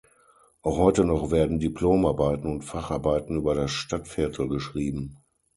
Auch heute noch werden Diplomarbeiten und Facharbeiten über das Stadtviertel geschrieben.